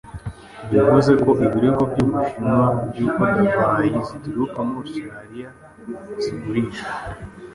Yavuze ko ibirego by'u Bushinwa by'uko davayi zituruka muri Autsralia zigurishwa